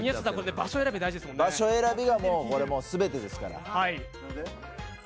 場所選びが全てですから。